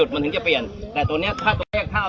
มันถึงจะเปลี่ยนแต่ตัวเนี้ยถ้า